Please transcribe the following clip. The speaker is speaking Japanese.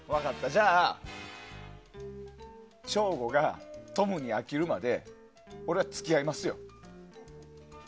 じゃあ、省吾がトムに飽きるまで俺は付き合いますよ。